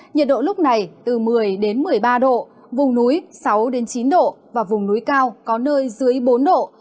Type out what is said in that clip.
nhiệt độ lúc này từ một mươi một mươi ba độ vùng núi sáu chín độ và vùng núi cao có nơi dưới bốn độ